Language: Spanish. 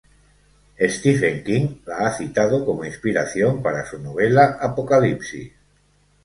Stephen King la ha citado como inspiración para su novela "Apocalipsis".